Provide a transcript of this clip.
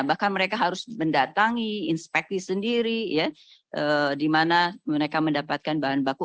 bahkan mereka harus mendatangi inspeksi sendiri di mana mereka mendapatkan bahan baku